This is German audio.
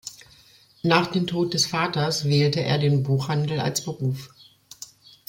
Nach dem Tod des Vaters wählte er den Buchhandel als Beruf.